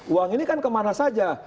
uang ini kan kemana saja